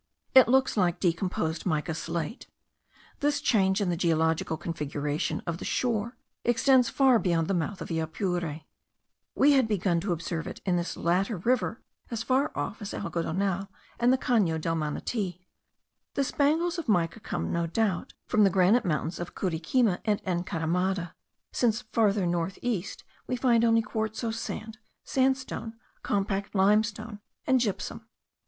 It looks like decomposed mica slate. This change in the geological configuration of the shore extends far beyond the mouth of the Apure. We had begun to observe it in this latter river as far off as Algodonal and the Cano del Manati. The spangles of mica come, no doubt, from the granite mountains of Curiquima and Encaramada; since further north east we find only quartzose sand, sandstone, compact limestone, and gypsum.